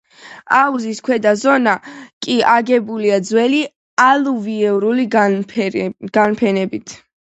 აუზის ქვედა ზონა კი აგებულია ძველი ალუვიური განფენებით.